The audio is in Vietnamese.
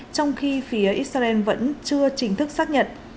trong khi phía israel vẫn chưa chính thức xác nhận